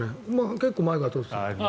結構前から取ってた。